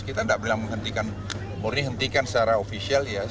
kita tidak boleh menghentikan murni hentikan secara ofisial ya